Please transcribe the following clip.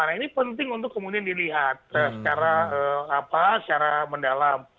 nah ini penting untuk kemudian dilihat secara mendalam